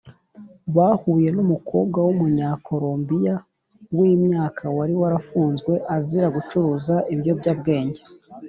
bahuye n umukobwa w Umunyakolombiya w imyaka wari warafunzwe azira gucuruza ibiyobyabwenge